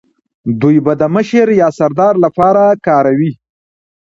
دوی به د مشر یا سردار لپاره کاروی